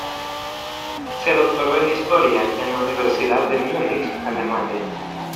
Se doctoró en historia en la Universidad de Múnich, Alemania.